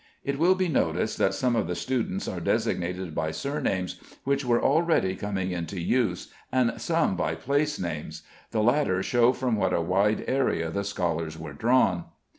It will be noticed that some of the students are designated by surnames which were already coming into use and some by place names: the latter show from what a wide area the scholars were drawn.